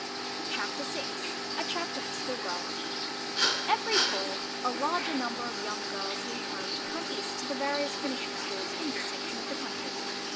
CHAPTER SIX: A CHAPTER FOR SCHOOLGIRLS Every Fall a larger number of young girls leave home to come East to the various Finishing Schools in this section of the country.